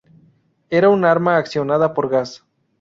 Era un arma accionada por gas.